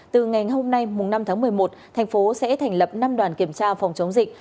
từ ngày hôm nay năm tháng một mươi một thành phố sẽ thành lập năm đoàn kiểm tra phòng chống dịch